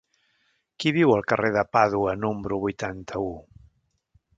Qui viu al carrer de Pàdua número vuitanta-u?